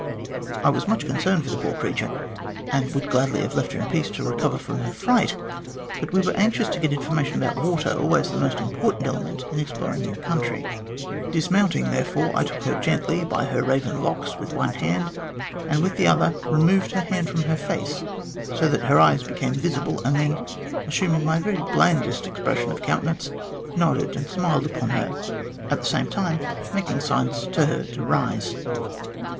I was much concerned for the poor creature, and would gladly have left her in peace to recover from her fright, but we were anxious to get information about water, always the most important element in exploring new country. Dismounting, there fore, I took her gently by her raven locks with one hand, and with the other removed her hand from her face, so that her eyes became visible, and then, assuming my very blandest expression of countenance, nodded and smiled upon her, at the same time making signs to her to rise.